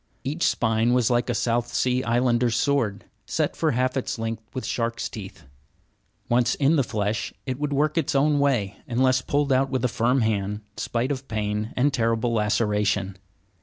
Each spine was like a South Sea Islander's sword, set for half its length with shark's teeth. Once in the flesh it would work its own way, unless pulled out with a firm hand spite of pain and terrible laceration.